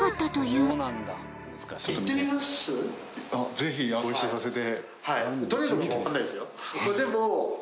ぜひご一緒させて。